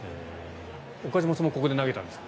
岡島さんもここで投げたんですか？